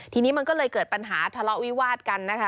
ทีนี้มันก็เลยเกิดปัญหาทะเลาะวิวาดกันนะคะ